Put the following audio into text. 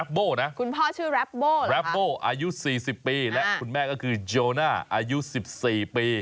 คุณพ่อชื่อหรอครับอายุสี่สิบปีและคุณแม่ก็คืออายุสิบสี่ปี